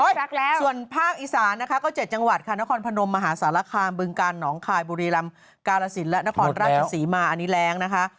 รักแล้วส่วนภาคอีสานนะคะก็๗จังหวัดค่ะนครพนมมหาสารคามบึงกาลหนองคายบุรีรำกาลสินและนครราชศรีมาอันนี้แรงนะคะ